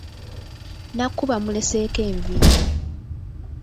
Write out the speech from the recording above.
Nakku bamuleseeko enviiri .